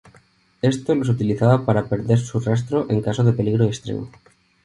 Estos los utilizaba para hacer perder su rastro en caso de peligro extremo.